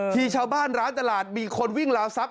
ที่ชาวบ้านร้านตลาดมีคนวิ่งราวทรัพย